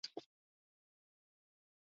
راځه ـ راځه جانانه راشه.